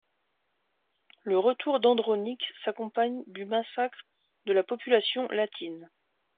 Le retour d'Andronic s'accompagne du massacre de la population latine.